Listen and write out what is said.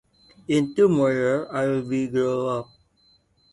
In two more years I’ll be really grown up.